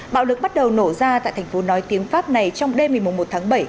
bạo lực bắt đầu nổ ra tại thành phố nói tiếng pháp này trong đêm ngày một tháng bảy